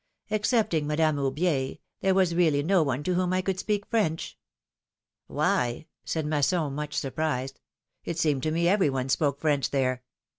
Excepting Madame Aubier, there was really no one to whom I could speak French ! Why,^^ said Masson, much surprised, ^4t seemed to me every one spoke French there.